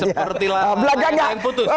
seperti layang layang putus